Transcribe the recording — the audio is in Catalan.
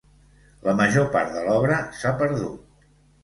La major part de l'obra s'ha perdut.